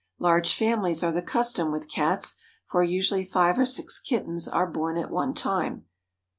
Large families are the custom with Cats, for usually five or six kittens are born at one time.